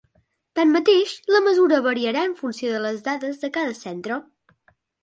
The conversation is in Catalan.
Tanmateix, la mesura variarà en funció de les dades de cada centre.